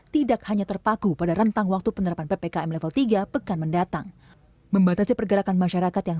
tidak hanya terpaku pada rentang waktu penerapan ppkm level tiga pekan mendatang